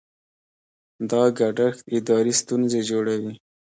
دا ګډښت اداري ستونزې جوړوي.